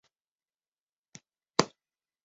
此后又曾做过两次心脏手术。